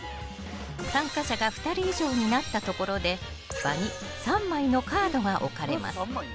参加者が２人以上になったところで場に３枚のカードが置かれます。